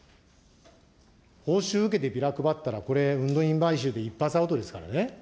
報酬受けてビラ配ったら、これ、運動員買収で一発アウトですからね。